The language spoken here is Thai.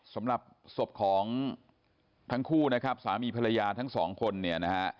สำหรับศพของทั้งคู่นะครับสามีภรรยาทั้งสองคนเนี่ยนะฮะ